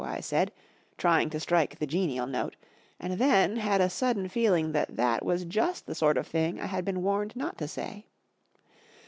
I said, trying to strike the genial note, and then had a sudden feeling that that was just the sort of thing 1 had been warned not to say.